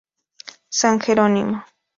San Jerónimo.